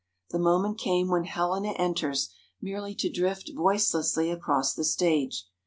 The moment came when Helena enters, merely to drift voicelessly across the stage.